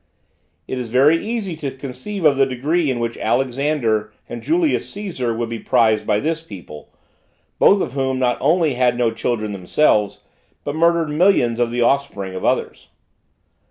It is very easy to conceive of the degree in which Alexander and Julius Cæsar would be prized by this people; both of whom not only had no children themselves, but murdered millions of the offspring of others.